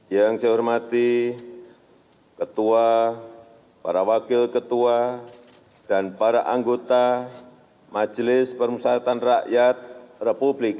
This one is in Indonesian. yang saya hormati ketua para wakil ketua dan para anggota majelis permusatan rakyat republik